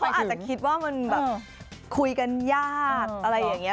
เขาอาจจะคิดว่ามันแบบคุยกันยากอะไรอย่างนี้